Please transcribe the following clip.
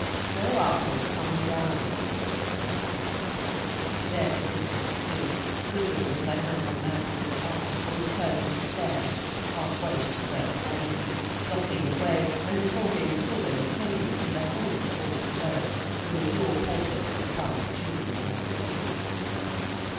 "Go up—or come down," said Birkin. For there the sisters stood, Gudrun with her hand on Ursula's arm, on the turn of the stairs half way to the first landing, blocking the way and affording full entertainment to the whole of the hall below, from the door porter to the plump Jew in black clothes.